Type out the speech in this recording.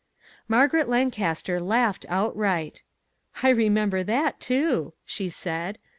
Margaret Lancaster laughed outright. " I remember that, too," she said.